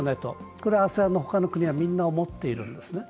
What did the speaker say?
これはＡＳＥＡＮの他の国は、みんな思っているんですね。